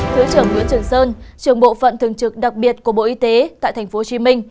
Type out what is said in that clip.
thứ trưởng nguyễn trường sơn trưởng bộ phận thường trực đặc biệt của bộ y tế tại tp hcm